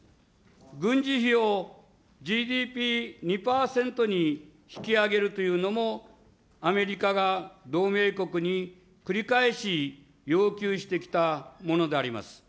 軍事費をＧＤＰ２％に引き上げるというのも、アメリカが同盟国に繰り返し要求してきたものであります。